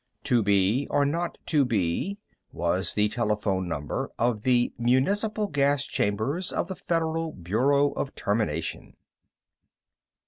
"To be or not to be" was the telephone number of the municipal gas chambers of the Federal Bureau of Termination.